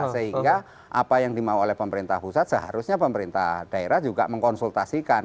sehingga apa yang dimau oleh pemerintah pusat seharusnya pemerintah daerah juga mengkonsultasikan